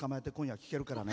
聴けるからね。